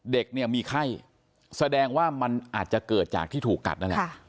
เด็กเนี่ยมีไข้แสดงว่ามันอาจจะเกิดจากที่ถูกกัดนั่นแหละ